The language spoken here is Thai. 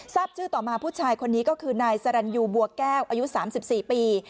ทราบชื่อต่อมาผู้ชายคนนี้ก็คือนายสรรยูบัวแก้วอายุ๓๔ปี